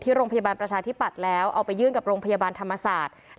โรงพยาบาลประชาธิปัตย์แล้วเอาไปยื่นกับโรงพยาบาลธรรมศาสตร์